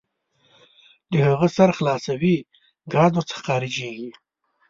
د هغه سر خلاصوئ ګاز ور څخه خارجیږي.